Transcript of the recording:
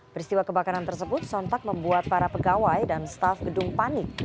peristiwa kebakaran tersebut sontak membuat para pegawai dan staf gedung panik